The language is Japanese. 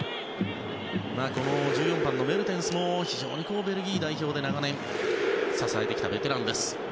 １４番のメルテンスも非常にベルギー代表を長年、支えてきたベテランです。